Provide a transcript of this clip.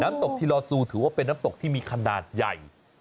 ตกทีลอซูถือว่าเป็นน้ำตกที่มีขนาดใหญ่